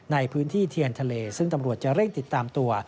ในพื้นที่เทียนทะเลซึ่งตำรวจจะเร่งติดตามตัว